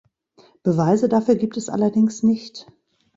Beweise dafür gibt es allerdings nicht.